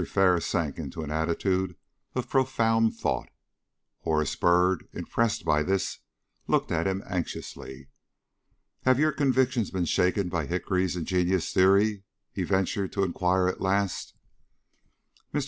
Ferris sank into an attitude of profound thought. Horace Byrd, impressed by this, looked at him anxiously. "Have your convictions been shaken by Hickory's ingenious theory?" he ventured to inquire at last. Mr.